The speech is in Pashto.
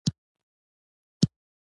طارق وویل موږ به درې کتارونه جوړ کړو.